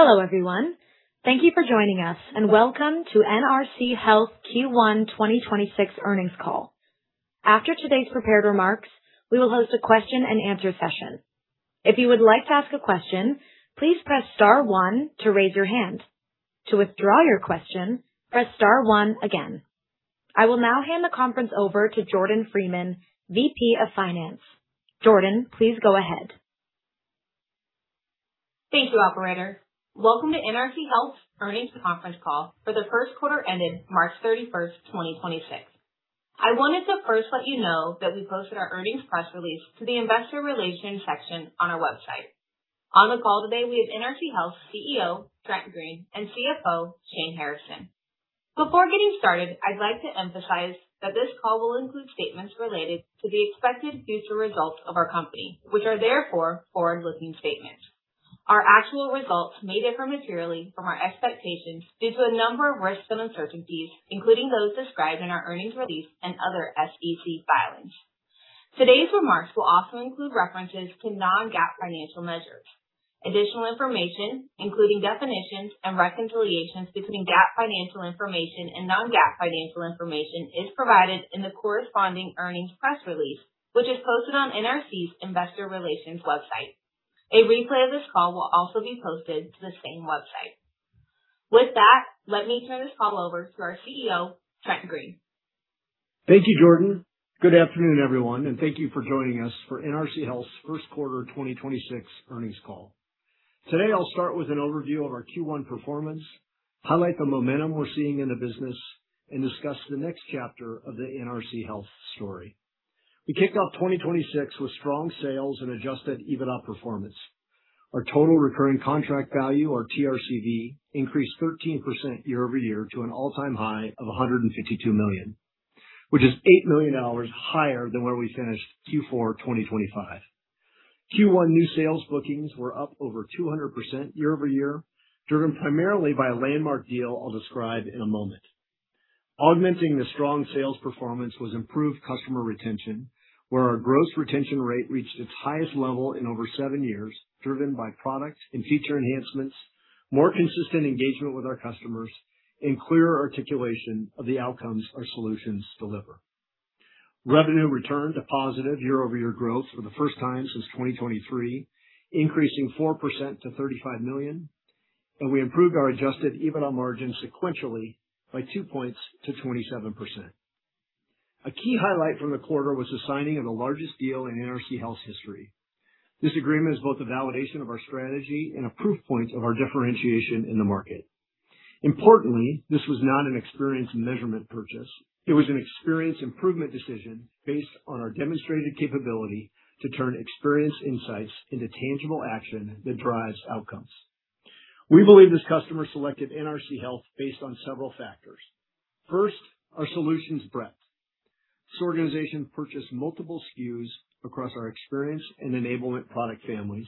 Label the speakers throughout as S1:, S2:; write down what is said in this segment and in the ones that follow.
S1: Hello, everyone. Thank you for joining us, and welcome to NRC Health Q1 2026 earnings call. After today's prepared remarks, we will host a question-and-answer session. If you would like to ask a question, please press star one to raise your hand. To withdraw your question, press star one again. I will now hand the conference over to Jordan Freeman, Vice President of Finance. Jordan, please go ahead.
S2: Thank you, operator. Welcome to NRC Health's earnings conference call for the 1st quarter ended March 31st, 2026. I wanted to first let you know that we posted our earnings press release to the investor relations section on our website. On the call today, we have NRC Health CEO, Trent Green, and CFO, Shane Harrison. Before getting started, I'd like to emphasize that this call will include statements related to the expected future results of our company, which are therefore forward-looking statements. Our actual results may differ materially from our expectations due to a number of risks and uncertainties, including those described in our earnings release and other SEC filings. Today's remarks will also include references to non-GAAP financial measures. Additional information, including definitions and reconciliations between GAAP financial information and non-GAAP financial information, is provided in the corresponding earnings press release, which is posted on NRC's investor relations website. A replay of this call will also be posted to the same website. With that, let me turn this call over to our CEO, Trent Green.
S3: Thank you, Jordan. Good afternoon, everyone, and thank you for joining us for NRC Health's first quarter 2026 earnings call. Today, I'll start with an overview of our Q1 performance, highlight the momentum we're seeing in the business, and discuss the next chapter of the NRC Health story. We kicked off 2026 with strong sales and Adjusted EBITDA performance. Our Total Recurring Contract Value, or TRCV, increased 13% year-over-year to an all-time high of $152 million, which is $8 million higher than where we finished Q4 2025. Q1 new sales bookings were up over 200% year-over-year, driven primarily by a landmark deal I'll describe in a moment. Augmenting the strong sales performance was improved customer retention, where our gross retention rate reached its highest level in over seven years, driven by product and feature enhancements, more consistent engagement with our customers, and clearer articulation of the outcomes our solutions deliver. Revenue returned to positive year-over-year growth for the first time since 2023, increasing 4% to $35 million, and we improved our Adjusted EBITDA margin sequentially by two points to 27%. A key highlight from the quarter was the signing of the largest deal in NRC Health's history. This agreement is both a validation of our strategy and a proof point of our differentiation in the market. Importantly, this was not an Experience measurement purchase. It was an Experience improvement decision based on our demonstrated capability to turn Experience insights into tangible action that drives outcomes. We believe this customer selected NRC Health based on several factors. First, our solutions breadth. This organization purchased multiple SKUs across our Experience and Enablement product families,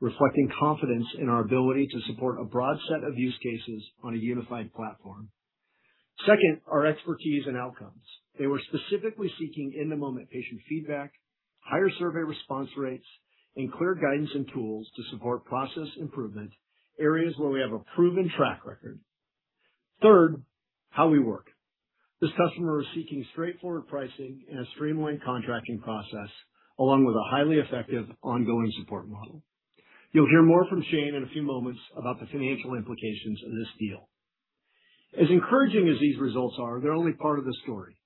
S3: reflecting confidence in our ability to support a broad set of use cases on a unified platform. Second, our expertise and outcomes. They were specifically seeking in-the-moment patient feedback, higher survey response rates, and clear guidance and tools to support process improvement, areas where we have a proven track record. Third, how we work. This customer is seeking straightforward pricing and a streamlined contracting process, along with a highly effective ongoing support model. You'll hear more from Shane in a few moments about the financial implications of this deal. As encouraging as these results are, they're only part of the story.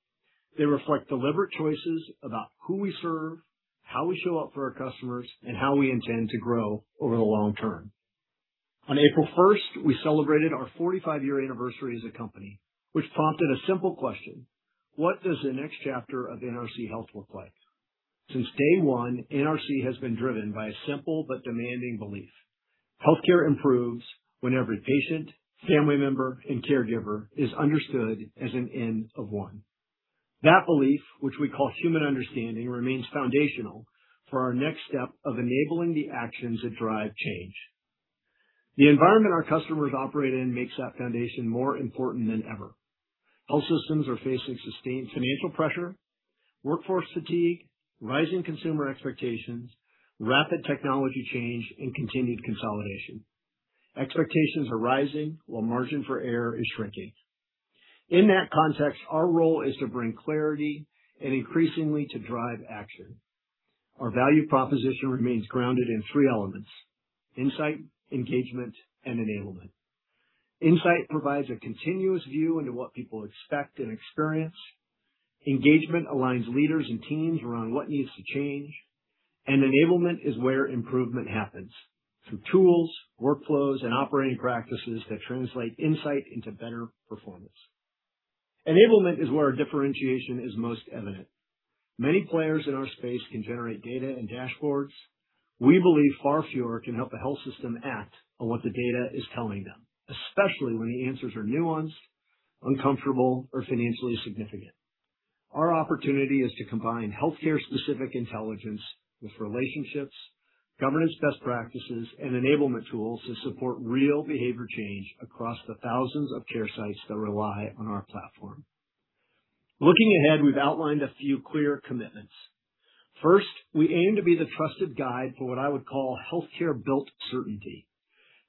S3: They reflect deliberate choices about who we serve, how we show up for our customers, and how we intend to grow over the long term. On April 1st, we celebrated our 45-year anniversary as a company, which prompted a simple question: What does the next chapter of NRC Health look like? Since day one, NRC has been driven by a simple but demanding belief. Healthcare improves when every patient, family member, and caregiver is understood as an N of one. That belief, which we call Human Understanding, remains foundational for our next step of enabling the actions that drive change. The environment our customers operate in makes that foundation more important than ever. Health systems are facing sustained financial pressure, workforce fatigue, rising consumer expectations, rapid technology change, and continued consolidation. Expectations are rising while margin for error is shrinking. In that context, our role is to bring clarity and increasingly to drive action. Our value proposition remains grounded in three elements: insight, engagement, and enablement. Insight provides a continuous view into what people expect and Experience. Engagement aligns leaders and teams around what needs to change. Enablement is where improvement happens through tools, workflows, and operating practices that translate insight into better performance. Enablement is where our differentiation is most evident. Many players in our space can generate data and dashboards. We believe far fewer can help a health system act on what the data is telling them, especially when the answers are nuanced, uncomfortable, or financially significant. Our opportunity is to combine healthcare-specific intelligence with relationships, governance best practices, and enablement tools to support real behavior change across the thousands of care sites that rely on our platform. Looking ahead, we've outlined a few clear commitments. First, we aim to be the trusted guide for what I would call healthcare-built certainty,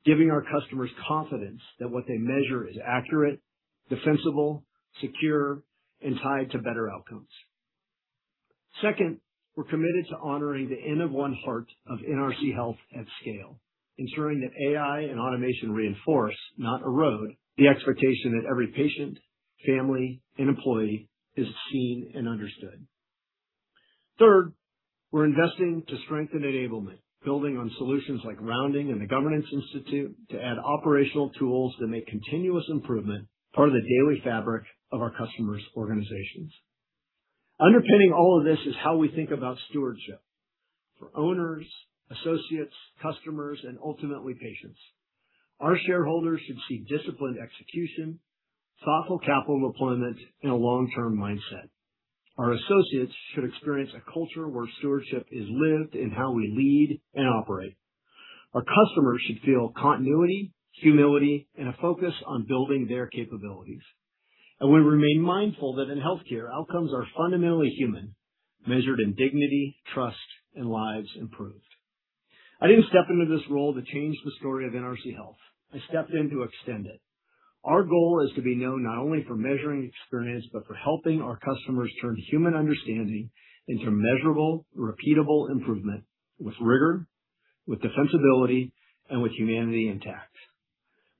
S3: giving our customers confidence that what they measure is accurate, defensible, secure, and tied to better outcomes. Second, we're committed to honoring the N of one heart of NRC Health at scale, ensuring that AI and automation reinforce, not erode, the expectation that every patient, family, and employee is seen and understood. Third, we're investing to strengthen Enablement, building on solutions like Rounding and The Governance Institute to add operational tools that make continuous improvement part of the daily fabric of our customers' organizations. Underpinning all of this is how we think about stewardship for owners, associates, customers, and ultimately patients. Our shareholders should see disciplined execution, thoughtful capital deployment, and a long-term mindset. Our associates should Experience a culture where stewardship is lived in how we lead and operate. Our customers should feel continuity, humility, and a focus on building their capabilities. We remain mindful that in healthcare, outcomes are fundamentally human, measured in dignity, trust, and lives improved. I didn't step into this role to change the story of NRC Health. I stepped in to extend it. Our goal is to be known not only for measuring Experience, but for helping our customers turn Human Understanding into measurable, repeatable improvement with rigor, with defensibility, and with humanity intact.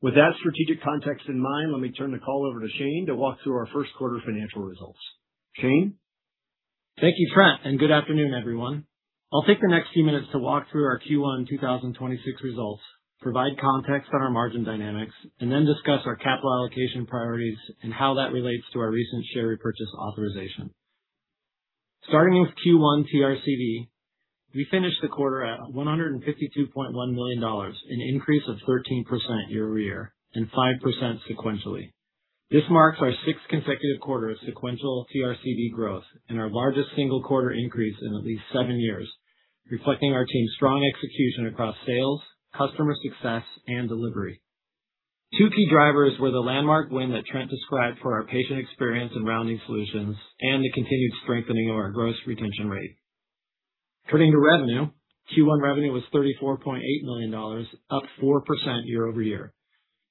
S3: With that strategic context in mind, let me turn the call over to Shane to walk through our first quarter financial results. Shane?
S4: Thank you, Trent, good afternoon, everyone. I'll take the next few minutes to walk through our Q1 2026 results, provide context on our margin dynamics, and then discuss our capital allocation priorities and how that relates to our recent share repurchase authorization. Starting with Q1 TRCV, we finished the quarter at $152.1 million, an increase of 13% year-over-year and 5% sequentially. This marks our sixth consecutive quarter of sequential TRCV growth and our largest single quarter increase in at least seven years, reflecting our team's strong execution across sales, customer success, and delivery. Two key drivers were the landmark win that Trent described for our patient experience and rounding solutions and the continued strengthening of our gross retention rate. Turning to revenue. Q1 revenue was $34.8 million, up 4% year-over-year.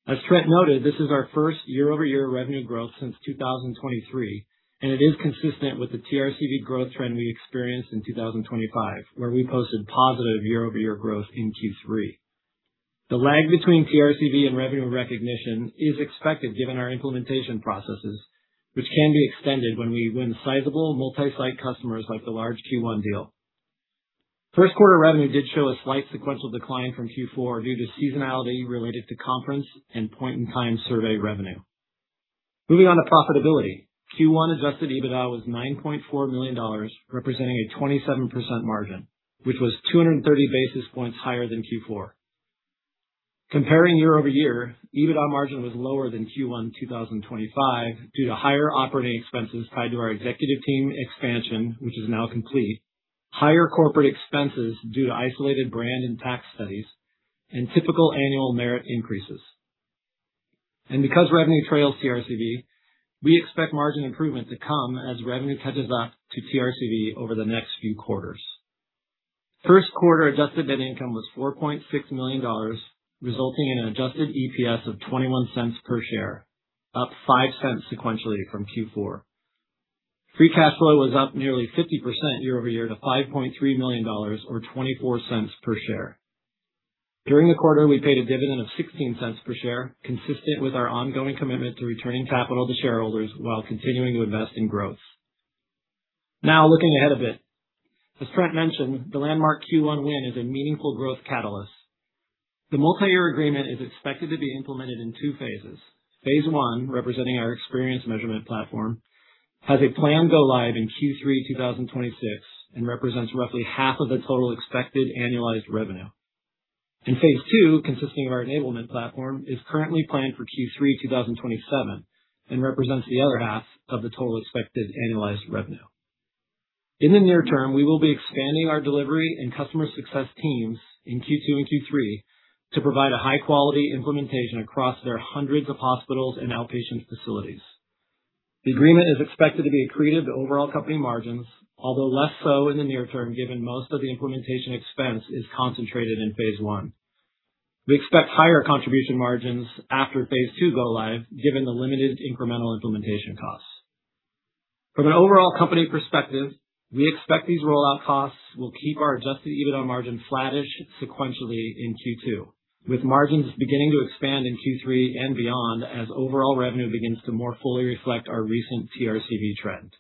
S4: As Trent noted, this is our first year-over-year revenue growth since 2023, and it is consistent with the TRCV growth trend we experienced in 2025, where we posted positive year-over-year growth in Q3. The lag between TRCV and revenue recognition is expected given our implementation processes, which can be extended when we win sizable multi-site customers like the large Q1 deal. First quarter revenue did show a slight sequential decline from Q4 due to seasonality related to conference and point-in-time survey revenue. Moving on to profitability. Q1 Adjusted EBITDA was $9.4 million, representing a 27% margin, which was 230 basis points higher than Q4. Comparing year-over-year, EBITDA margin was lower than Q1 2025 due to higher operating expenses tied to our executive team expansion, which is now complete, higher corporate expenses due to isolated brand and tax studies, and typical annual merit increases. Because revenue trails TRCV, we expect margin improvement to come as revenue catches up to TRCV over the next few quarters. First quarter adjusted net income was $4.6 million, resulting in an adjusted EPS of $0.21 per share, up $0.05 sequentially from Q4. Free cash flow was up nearly 50% year-over-year to $5.3 million or $0.24 per share. During the quarter, we paid a dividend of $0.16 per share, consistent with our ongoing commitment to returning capital to shareholders while continuing to invest in growth. Now looking ahead a bit. As Trent mentioned, the landmark Q1 win is a meaningful growth catalyst. The multi-year agreement is expected to be implemented in two phases. Phase I, representing our Experience measurement platform, has a planned go live in Q3 2026 and represents roughly half of the total expected annualized revenue. Phase II, consisting of our Enablement platform, is currently planned for Q3 2027 and represents the other half of the total expected annualized revenue. In the near term, we will be expanding our delivery and customer success teams in Q2 and Q3 to provide a high-quality implementation across their hundreds of hospitals and outpatient facilities. The agreement is expected to be accretive to overall company margins, although less so in the near term, given most of the implementation expense is concentrated in phase I. We expect higher contribution margins after phase II go live, given the limited incremental implementation costs. From an overall company perspective, we expect these rollout costs will keep our Adjusted EBITDA margin flattish sequentially in Q2, with margins beginning to expand in Q3 and beyond as overall revenue begins to more fully reflect our recent TRCV trend.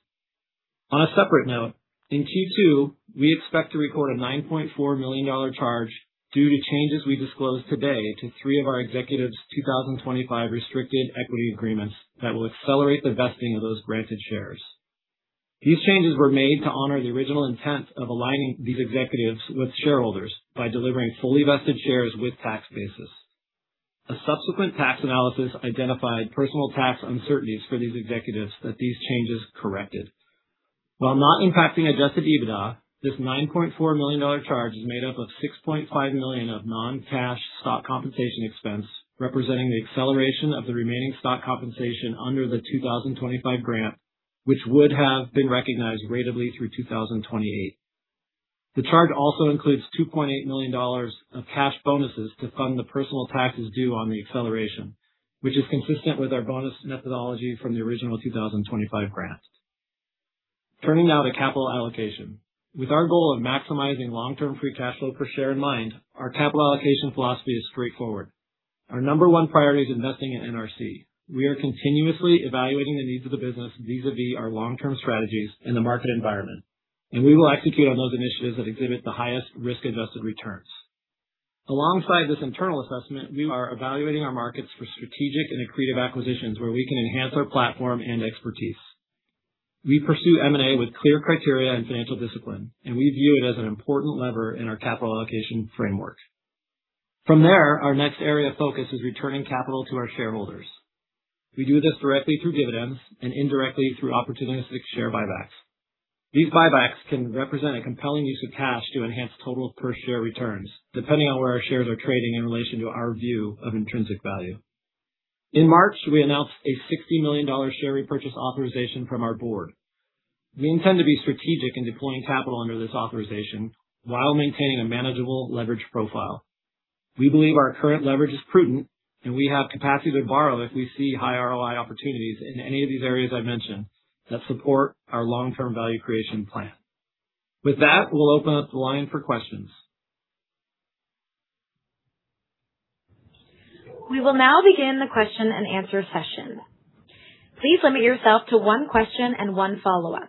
S4: On a separate note, in Q2, we expect to record a $9.4 million charge due to changes we disclosed today to three of our executives' 2025 restricted equity agreements that will accelerate the vesting of those granted shares. These changes were made to honor the original intent of aligning these executives with shareholders by delivering fully vested shares with tax basis. A subsequent tax analysis identified personal tax uncertainties for these executives that these changes corrected. While not impacting Adjusted EBITDA, this $9.4 million charge is made up of $6.5 million of non-cash stock compensation expense, representing the acceleration of the remaining stock compensation under the 2025 grant, which would have been recognized ratably through 2028. The charge also includes $2.8 million of cash bonuses to fund the personal taxes due on the acceleration, which is consistent with our bonus methodology from the original 2025 grant. Turning now to capital allocation. With our goal of maximizing long-term free cash flow per share in mind, our capital allocation philosophy is straightforward. Our number one priority is investing in NRC. We are continuously evaluating the needs of the business vis-a-vis our long-term strategies and the market environment. We will execute on those initiatives that exhibit the highest risk-adjusted returns. Alongside this internal assessment, we are evaluating our markets for strategic and accretive acquisitions where we can enhance our platform and expertise. We pursue M&A with clear criteria and financial discipline. We view it as an important lever in our capital allocation framework. From there, our next area of focus is returning capital to our shareholders. We do this directly through dividends and indirectly through opportunistic share buybacks. These buybacks can represent a compelling use of cash to enhance total per share returns, depending on where our shares are trading in relation to our view of intrinsic value. In March, we announced a $60 million share repurchase authorization from our board. We intend to be strategic in deploying capital under this authorization while maintaining a manageable leverage profile. We believe our current leverage is prudent, and we have capacity to borrow if we see high ROI opportunities in any of these areas I mentioned that support our long-term value creation plan. With that, we will open up the line for questions.
S1: We will now begin the question-and-answer session. Please limit yourself to one question and one follow-up.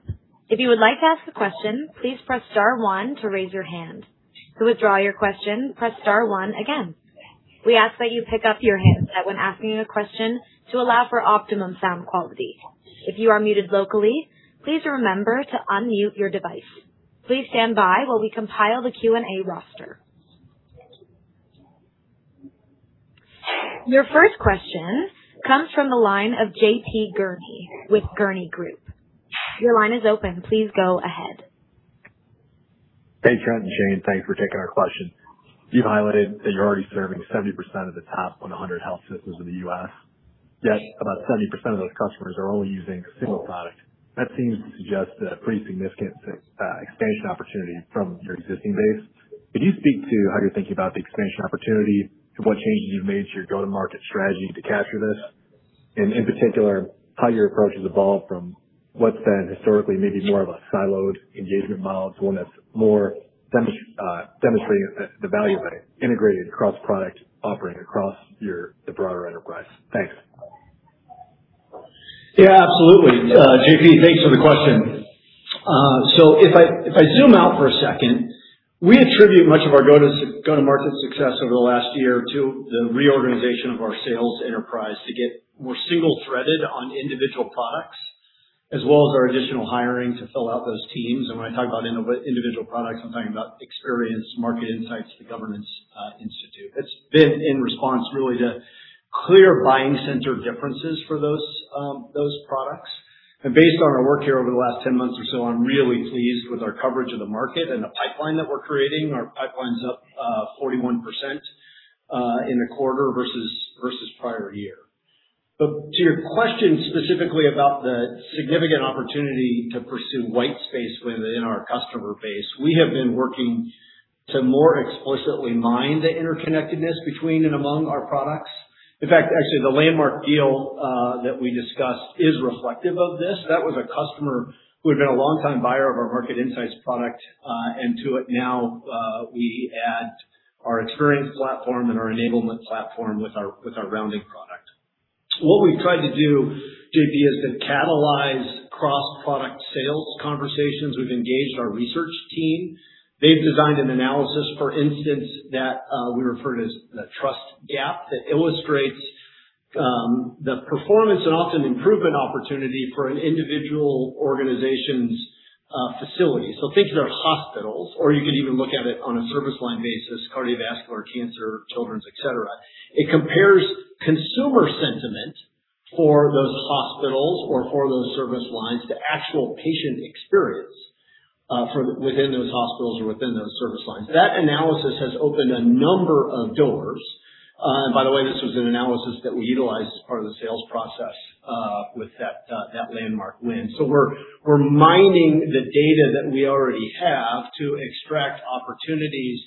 S1: If you would like to ask a question, please press star one to raise your hand. To withdraw your question, press star one again. We ask that you pick up your headset when asking a question to allow for optimum sound quality. If you are muted locally, please remember to unmute your device. Please stand by while we compile the Q&A roster. Your first question comes from the line of J.P. Gurnee with Gurnee Group. Your line is open. Please go ahead.
S5: Hey, Trent and Shane. Thanks for taking our question. You highlighted that you're already serving 70% of the top 100 health systems in the U.S. Yet about 70% of those customers are only using a single product. That seems to suggest a pretty significant expansion opportunity from your existing base. Could you speak to how you're thinking about the expansion opportunity and what changes you've made to your go-to-market strategy to capture this? In particular, how your approach has evolved from what's been historically maybe more of a siloed engagement model to one that's more demonstrating the value of an integrated cross-product offering across the broader enterprise? Thanks.
S3: Yeah, absolutely. J.P., thanks for the question. If I zoom out for a second, we attribute much of our go-to-market success over the last year to the reorganization of our sales enterprise to get more single-threaded on individual products, as well as our additional hiring to fill out those teams. When I talk about individual products, I'm talking about Experience, Market Insights, the Governance Institute. It's been in response really to clear buying center differences for those products. Based on our work here over the last 10 months or so, I'm really pleased with our coverage of the market and the pipeline that we're creating. Our pipeline's up 41% in the quarter versus prior year. To your question specifically about the significant opportunity to pursue white space within our customer base, we have been working to more explicitly mine the interconnectedness between and among our products. In fact, actually, the landmark deal that we discussed is reflective of this. That was a customer who had been a longtime buyer of our Market Insights product, and to it now we add our Experience platform and our Enablement platform with our Rounding product. What we've tried to do, J.P., is to catalyze cross-product sales conversations. We've engaged our research team. They've designed an analysis, for instance, that we refer to as the trust gap, that illustrates the performance and often improvement opportunity for an individual organization's facility. Think of those hospitals, or you could even look at it on a service line basis, cardiovascular, cancer, children's, et cetera. It compares consumer sentiment for those hospitals or for those service lines to actual patient experience for within those hospitals or within those service lines. That analysis has opened a number of doors. By the way, this was an analysis that we utilized as part of the sales process with that landmark win. We're mining the data that we already have to extract opportunities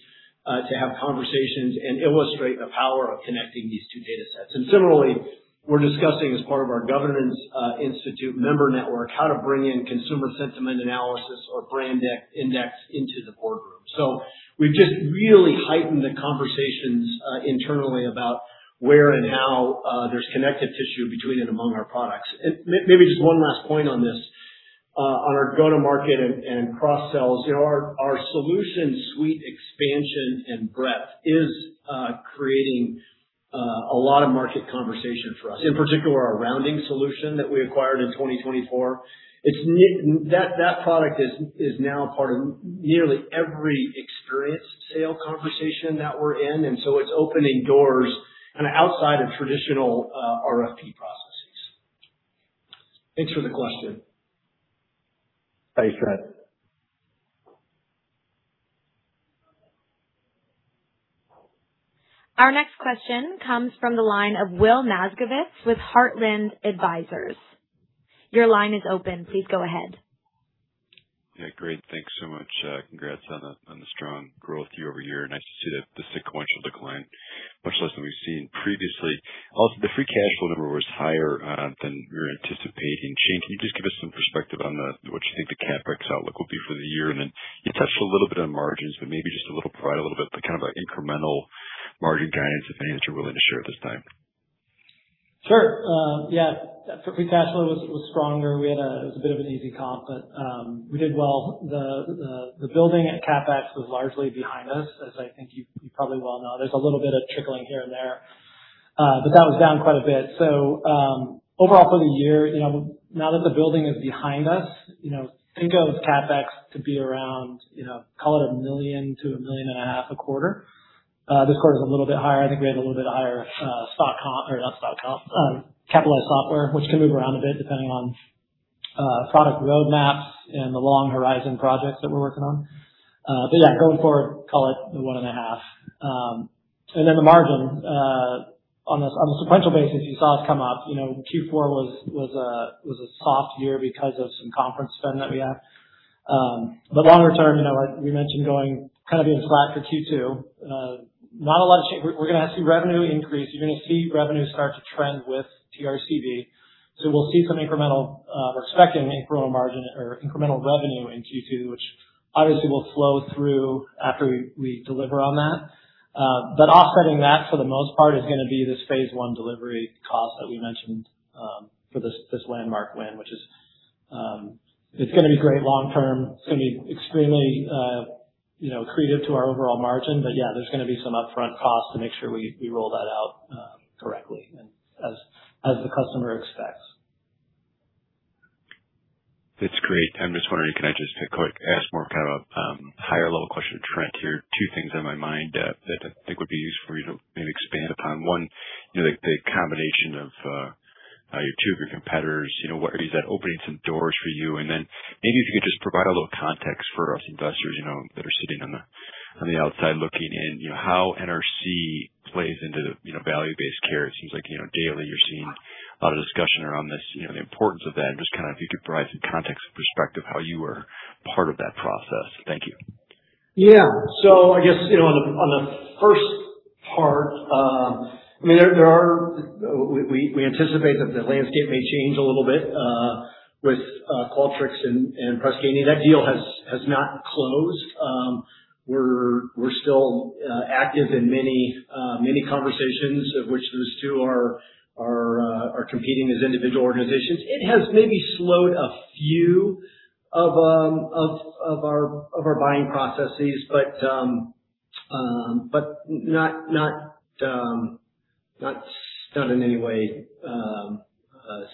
S3: to have conversations and illustrate the power of connecting these two datasets. Similarly, we're discussing as part of our Governance Institute member network, how to bring in consumer sentiment analysis or Brand Index into the boardroom. We've just really heightened the conversations internally about where and how there's connective tissue between and among our products. Maybe just one last point on this. On our go-to-market and cross-sells, you know, our solution suite expansion and breadth is creating a lot of market conversation for us. In particular, our Rounding solution that we acquired in 2024. That product is now part of nearly every Experience sale conversation that we're in, and it's opening doors and outside of traditional RFP processes. Thanks for the question.
S5: Thanks, Trent.
S1: Our next question comes from the line of Will Nasgovitz with Heartland Advisors. Your line is open. Please go ahead.
S6: Yeah, great. Thanks so much. Congrats on the strong growth year-over-year. Nice to see the sequential decline much less than we've seen previously. Also, the free cash flow number was higher than we were anticipating. Shane, can you just give us some perspective on what you think the CapEx outlook will be for the year? You touched a little bit on margins, but maybe just provide a little bit the kind of incremental margin guidance, if any, that you're willing to share at this time.
S4: Sure. Yeah, free cash flow was stronger. It was a bit of an easy comp, but we did well. The building CapEx was largely behind us, as I think you probably well know. There's a little bit of trickling here and there, but that was down quite a bit. Overall for the year, you know, now that the building is behind us, you know, think of CapEx to be around, you know, call it $1 million-$1.5 million a quarter. This quarter is a little bit higher. I think we had a little bit higher capitalized software, which can move around a bit depending on product roadmaps and the long horizon projects that we're working on. Yeah, going forward, call it $1.5 million. The margin, on the sequential basis, you saw it come up. You know, Q4 was a soft year because of some conference spend that we had. Longer term, you know, like we mentioned, going kind of being flat for Q2. Not a lot of change. We're gonna see revenue increase. You're gonna see revenue start to trend with TRCV. We'll see some incremental, or expect an incremental margin or incremental revenue in Q2, which obviously will flow through after we deliver on that. Offsetting that for the most part is gonna be this phase one delivery cost that we mentioned, for this landmark win, which is, it's gonna be great long term. It's gonna be extremely, you know, accretive to our overall margin. Yeah, there's gonna be some upfront costs to make sure we roll that out correctly and as the customer expects.
S6: That's great. I'm just wondering, can I just quick ask more kind of, higher level question to Trent here? Two things on my mind, that I think would be useful for you to maybe expand upon. One, you know, the combination of your two of your competitors, you know, is that opening some doors for you? And then maybe if you could just provide a little context for us investors, you know, that are sitting on the outside looking in, you know, how NRC plays into the value-based care. It seems like, you know, daily you're seeing a lot of discussion around this, you know, the importance of that and just kind of if you could provide some context and perspective how you are part of that process. Thank you.
S3: Yeah. I guess, you know, on the first part, I mean, there are. We anticipate that the landscape may change a little bit with Qualtrics and Press Ganey. That deal has not closed. We're still active in many conversations of which those two are competing as individual organizations. It has maybe slowed a few of our buying processes, but not in any way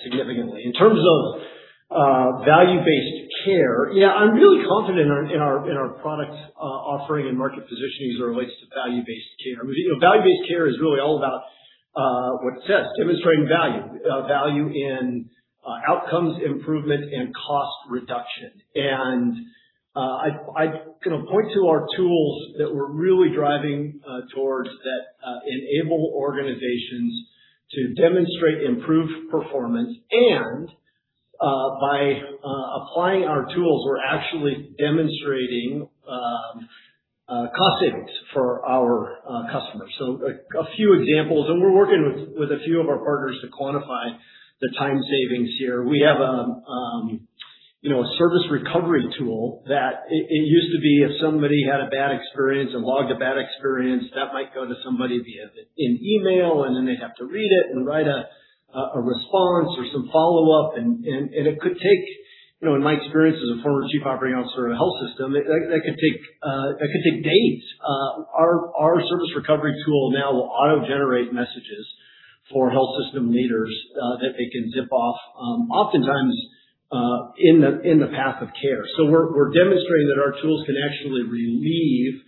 S3: significantly. In terms of value-based care, yeah, I'm really confident in our product offering and market positioning as it relates to value-based care. I mean, you know, value-based care is really all about what it says, demonstrating value. Value in outcomes improvement and cost reduction. I can point to our tools that we're really driving towards that enable organizations to demonstrate improved performance. By applying our tools, we're actually demonstrating cost savings for our customers. A few examples, and we're working with a few of our partners to quantify the time savings here. We have you know a service recovery tool that used to be if somebody had a bad experience and logged a bad experience, that might go to somebody via an email, and then they'd have to read it and write a response or some follow-up, and it could take. You know, in my experience as a former Chief Operating Officer of a health system, that could take days. Our service recovery tool now will auto-generate messages for health system leaders that they can zip off, oftentimes, in the path of care. We're demonstrating that our tools can actually relieve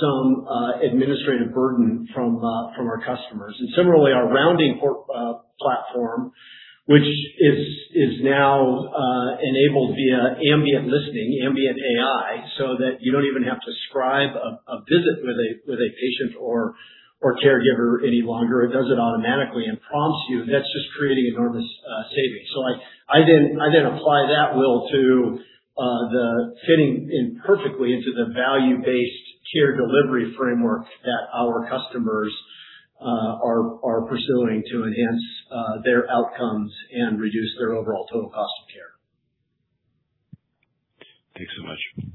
S3: some administrative burden from our customers. Similarly, our Rounding platform, which is now enabled via ambient listening, ambient AI, so that you don't even have to scribe a visit with a patient or caregiver any longer. It does it automatically and prompts you. That's just creating enormous savings. I then apply that, Will, to it fitting in perfectly into the value-based care delivery framework that our customers are pursuing to enhance their outcomes and reduce their overall total cost of care.
S6: Thanks so much.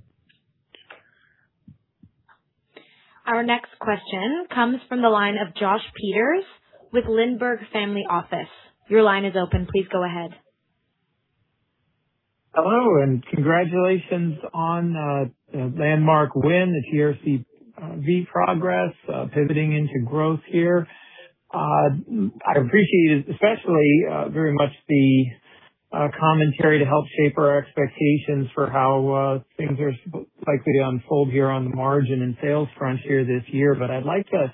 S1: Our next question comes from the line of Josh Peters with Lindbergh Family Office. Your line is open. Please go ahead.
S7: Hello, congratulations on the landmark win, the TRCV progress, pivoting into growth here. I appreciated especially very much the commentary to help shape our expectations for how things are likely to unfold here on the margin and sales front here this year. I'd like to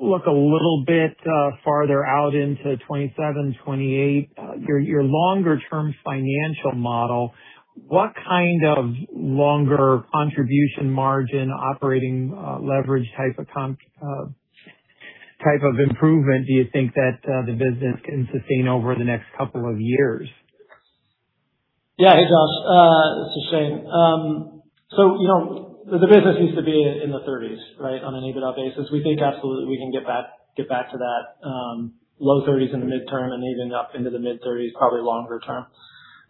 S7: look a little bit farther out into 2027, 2028, your longer term financial model. What kind of longer contribution margin operating leverage type of improvement do you think that the business can sustain over the next couple of years?
S4: Yeah. Hey, Josh. This is Shane. So, you know, the business used to be in the 30s, right? On an EBITDA basis. We think absolutely we can get back to that, low 30s in the midterm and even up into the mid-30s, probably longer term.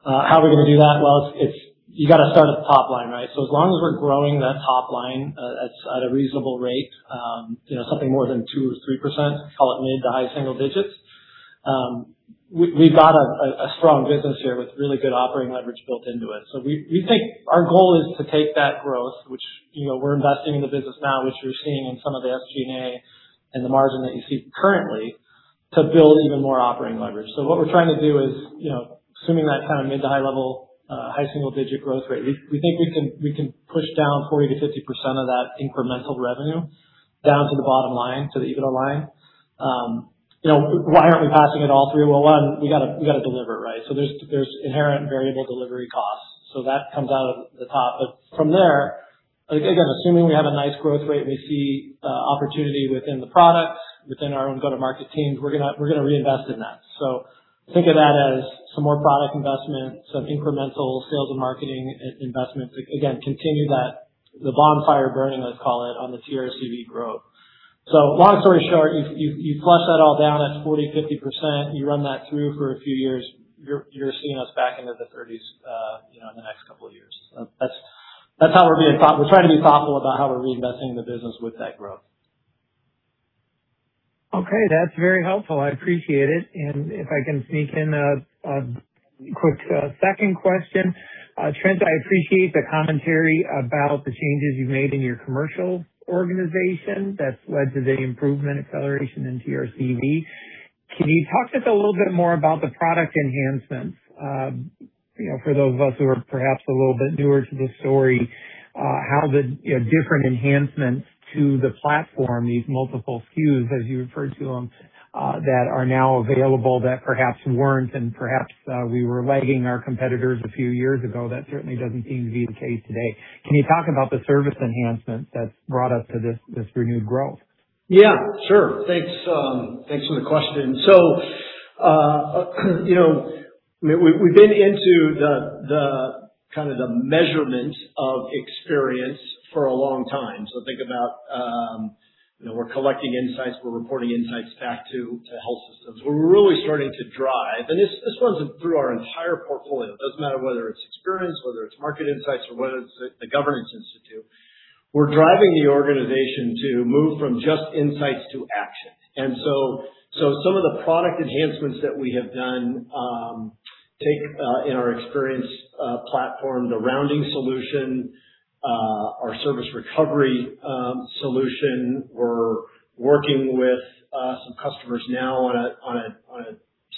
S4: How are we gonna do that? Well, it's you gotta start at the top line, right? As long as we're growing that top line at a reasonable rate, you know, something more than 2% or 3%, call it mid- to high single digits, we've got a strong business here with really good operating leverage built into it. We think our goal is to take that growth, which, you know, we're investing in the business now, which we're seeing in some of the SG&A and the margin that you see currently, to build even more operating leverage. What we're trying to do is, you know, assuming that kind of mid to high level, high single-digit growth rate, we think we can push down 40%-50% of that incremental revenue down to the bottom line, to the EBITDA line. You know, why aren't we passing it all through? Well, one, we gotta deliver, right? There's inherent variable delivery costs. That comes out of the top. From there, like, again, assuming we have a nice growth rate and we see opportunity within the product, within our own go-to-market teams, we're gonna reinvest in that. Think of that as some more product investment, some incremental sales and marketing investments. Again, continue that, the bonfire burning, let's call it, on the TRCV growth. Long story short, you plus that all down at 40%-50%, you run that through for a few years, you're seeing us back into the 30s, you know, in the next couple of years. That's how we're thinking. We're trying to be thoughtful about how we're reinvesting the business with that growth.
S7: Okay, that's very helpful. I appreciate it. If I can sneak in a quick second question. Trent, I appreciate the commentary about the changes you've made in your commercial organization that's led to the improvement acceleration in TRCV. Can you talk to us a little bit more about the product enhancements? You know, for those of us who are perhaps a little bit newer to the story, how the different enhancements to the platform, these multiple SKUs, as you referred to them, that are now available that perhaps weren't and perhaps we were lagging our competitors a few years ago. That certainly doesn't seem to be the case today. Can you talk about the service enhancements that's brought us to this renewed growth?
S3: Yeah, sure. Thanks. Thanks for the question. You know, we've been into the kind of measurement of Experience for a long time. Think about, you know, we're collecting insights, we're reporting insights back to health systems. We're really starting to drive, and this runs through our entire portfolio. It doesn't matter whether it's Experience, whether it's Market Insights or whether it's The Governance Institute. We're driving the organization to move from just insights to action. Some of the product enhancements that we have done take in our Experience platform, the Rounding solution, our service recovery solution. We're working with some customers now on a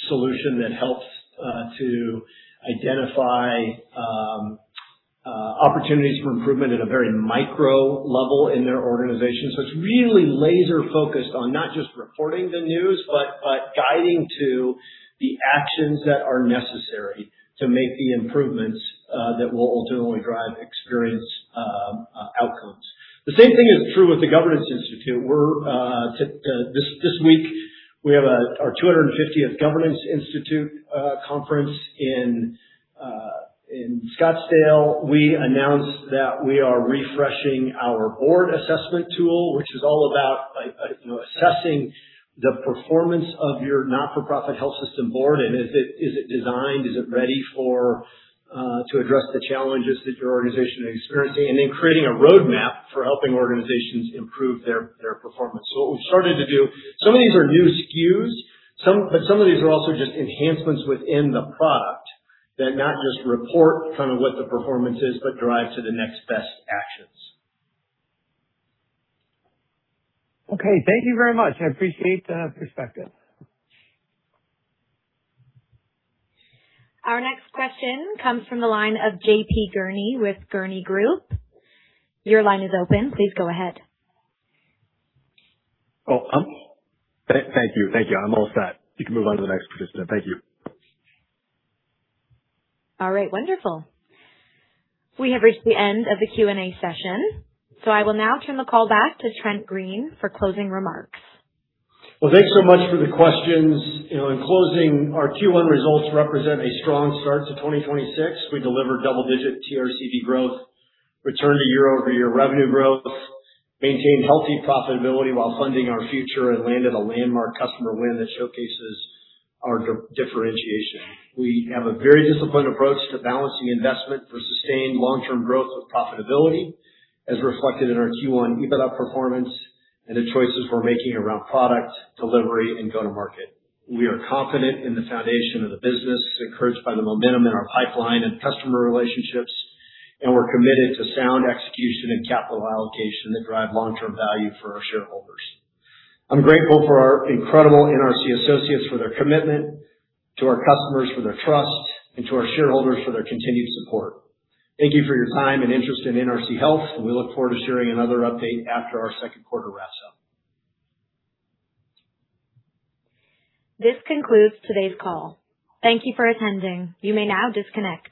S3: solution that helps to identify opportunities for improvement at a very micro level in their organization. It's really laser focused on not just reporting the news, but guiding to the actions that are necessary to make the improvements that will ultimately drive Experience outcomes. The same thing is true with the Governance Institute. This week we have our 250th Governance Institute conference in Scottsdale. We announced that we are refreshing our board assessment tool, which is all about, like, you know, assessing the performance of your not-for-profit health system board. Is it designed? Is it ready to address the challenges that your organization is experiencing? Then creating a roadmap for helping organizations improve their performance. What we've started to do, some of these are new SKUs, some, but some of these are also just enhancements within the product that not just report kind of what the performance is, but drive to the next best actions.
S7: Okay. Thank you very much. I appreciate the perspective.
S1: Our next question comes from the line of J.P. Gurnee with Gurnee Group. Your line is open. Please go ahead.
S5: Thank you. Thank you. I'm all set. You can move on to the next participant. Thank you.
S1: All right. Wonderful. We have reached the end of the Q&A session. I will now turn the call back to Trent Green for closing remarks.
S3: Well, thanks so much for the questions. You know, in closing, our Q1 results represent a strong start to 2026. We delivered double-digit TRCV growth, returned to year-over-year revenue growth, maintained healthy profitability while funding our future, and landed a landmark customer win that showcases our differentiation. We have a very disciplined approach to balancing investment for sustained long-term growth with profitability, as reflected in our Q1 EBITDA performance and the choices we're making around product, delivery, and go-to-market. We are confident in the foundation of the business, encouraged by the momentum in our pipeline and customer relationships, and we're committed to sound execution and capital allocation that drive long-term value for our shareholders. I'm grateful for our incredible NRC associates for their commitment, to our customers for their trust, and to our shareholders for their continued support. Thank you for your time and interest in NRC Health, and we look forward to sharing another update after our second quarter wraps up.
S1: This concludes today's call. Thank you for attending. You may now disconnect.